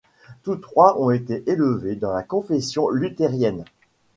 Tous trois ont été élevés dans la Confession luthérienne.